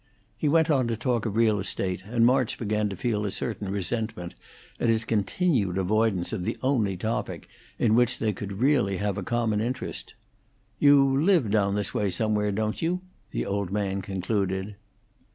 He went on to talk of real estate, and March began to feel a certain resentment at his continued avoidance of the only topic in which they could really have a common interest. "You live down this way somewhere, don't you?" the old man concluded.